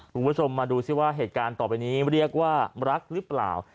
คุณผู้ชมมาดูซิว่าเหตุการณ์ต่อไปนี้เรียกว่ารักหรือเปล่า